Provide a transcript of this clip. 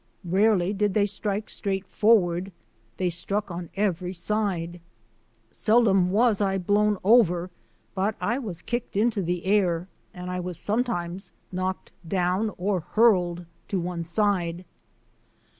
Rarely did they strike straight forward; they struck on every side. Seldom was I blown over, but I was kicked into the air and I was sometimes knocked down or hurled to one side.